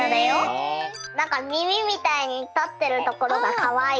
なんかみみみたいにたってるところがかわいい。